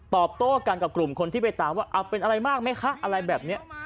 โต้กันกับกลุ่มคนที่ไปตามว่าเอาเป็นอะไรมากไหมคะอะไรแบบนี้